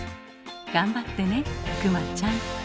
頑張ってね熊ちゃん。